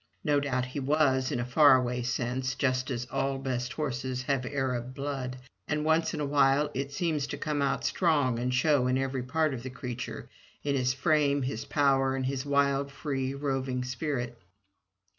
No doubt he was, in a faraway sense; just as all our best horses have Arab blood, and once in a while it seems to come out strong and show in every part of the creature, in his frame, his power, and his wild, free, roving spirit.